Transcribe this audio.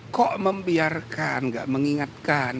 kok membiarkan gak mengingatkan